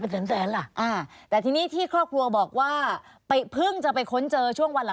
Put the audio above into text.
จะเอาที่ไหนมาเป็นแสนล่ะ